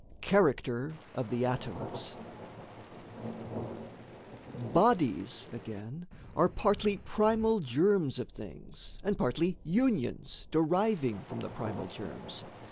CHARACTER OF THE ATOMS Bodies, again, Are partly primal germs of things, and partly Unions deriving from the primal germs.